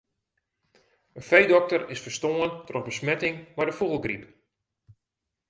In feedokter is ferstoarn troch besmetting mei de fûgelgryp.